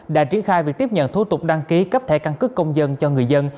đã triển khai việc tiếp nhận thủ tục đăng ký cấp thẻ căn cước công dân cho người dân